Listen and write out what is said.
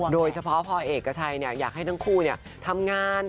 โดยเฉพาะพ่อเอกชัยอยากให้ทั้งคู่ทำงาน